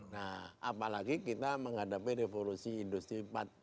nah apalagi kita menghadapi revolusi industri empat